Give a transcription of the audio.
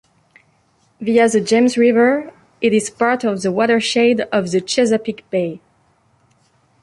Via the James River, it is part of the watershed of the Chesapeake Bay.